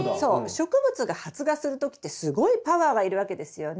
植物が発芽する時ってすごいパワーがいるわけですよね。